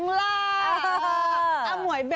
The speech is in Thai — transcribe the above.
กือชื่อ